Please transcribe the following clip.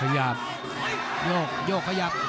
ยกยกยกขยับ